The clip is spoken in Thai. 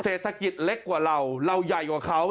เศรษฐกิจเล็กกว่าเราเราใหญ่กว่าเขา